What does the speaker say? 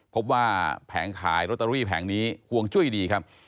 พบว่าแผงขายลอตเตอรี่แผงนี้ห่วงจุ้ยดีครับ